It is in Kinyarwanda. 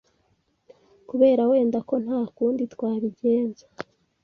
kubera wenda ko ntakundi twabigenza,